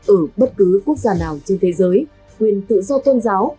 ở bất cứ quốc gia nào trên thế giới quyền tự do tôn giáo